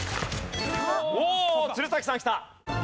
おお鶴崎さんきた！